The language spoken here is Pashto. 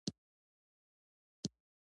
محمد د سیستان په زندان کې مړ شو.